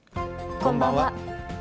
こんばんは。